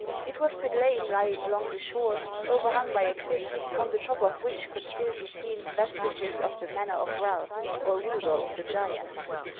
It was the glade lying along the shore, over hung by a cliff, on the top of which could still be seen vestiges of the manor of Ralph, or Rudolf, the Giant.